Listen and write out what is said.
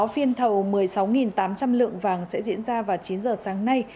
phiên thầu một mươi sáu tám trăm linh lượng vàng sẽ diễn ra vào chín giờ sáng nay